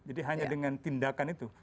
jadi hanya dengan tindakan itu